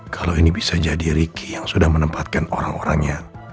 kalau ini bisa jadi riki yang sudah menempatkan orang orangnya